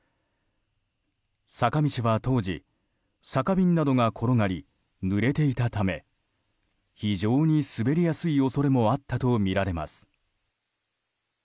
坂道は当時、酒瓶などが転がりぬれていたため非常に滑りやすい恐れもあったとみられます。